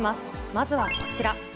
まずはこちら。